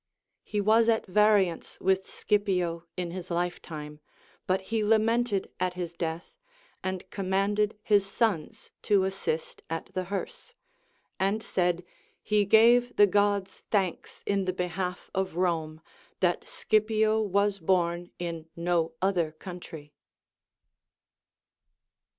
lie was at variance with Scipio in his lifetime, but he lamented at his death, and commanded his sons to assist at the hearse ; and said, he gave the Gods thanks in the behalf of Rome, that Scipio was born in no other country.